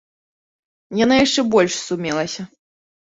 Яна яшчэ больш сумелася.